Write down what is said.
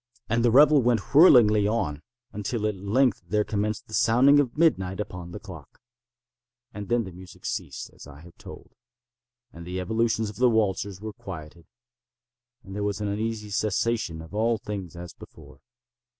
And the revel went whirlingly on, until at length there commenced the sounding of midnight upon the clock. And then the music ceased, as I have told; and the evolutions of the waltzers were quieted; and there was an uneasy cessation of all things as before.